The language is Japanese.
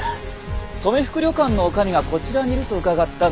留福旅館の女将がこちらにいると伺ったんですが。